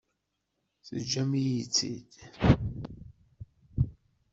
Teǧǧamt-iyi-tt-id?